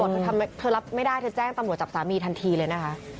ช็อคมากนะคนแม่อะเธอบอกเธอรับไม่ได้เธอแจ้งตำรวจจับสามีทันทีเลยนะคะ